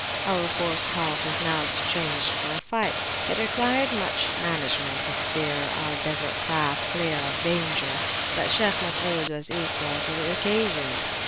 Our forced halt was now exchanged for a flight. It required much management to steer our Desert craft clear of danger; but Shaykh Masud was equal to the occasion.